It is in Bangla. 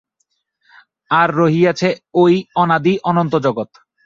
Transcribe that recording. আর রহিয়াছে এই অনাদি অনন্ত জগৎ।